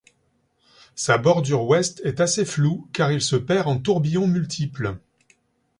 Sa bordure ouest est assez floue car il se perd en tourbillons multiples.